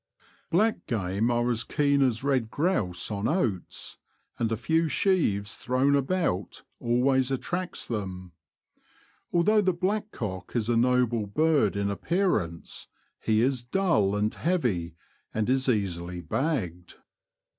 Black game are as keen as red grouse on oats, and a few sheaves thrown about always attracts them. Although the blackcock is a noble bird in appearance, he is dull and heavy, and is easily bagged.